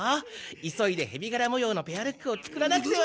急いでヘビがらもようのペアルックを作らなくては。